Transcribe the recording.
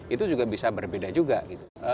itu juga bisa berbeda juga gitu